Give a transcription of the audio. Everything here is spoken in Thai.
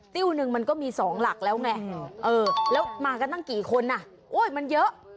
้วหนึ่งมันก็มี๒หลักแล้วไงแล้วมากันตั้งกี่คนอ่ะโอ้ยมันเยอะ